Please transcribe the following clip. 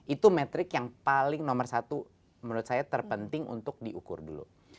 itu metrik yang paling nomor satu menurut saya terpenting untuk diukur dulu